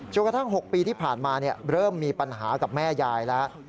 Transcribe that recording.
กระทั่ง๖ปีที่ผ่านมาเริ่มมีปัญหากับแม่ยายแล้ว